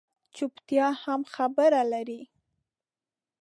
چُپتیا هم خبره لري